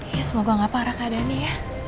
ya semoga gak parah keadaannya ya